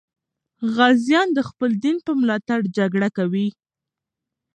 غازیان د خپل دین په ملاتړ جګړه کوي.